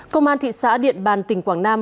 công an thị xã điện bàn tỉnh quảng nam